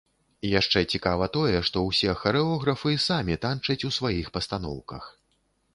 Яшчэ цікава тое, што ўсе харэографы самі танчаць у сваіх пастаноўках.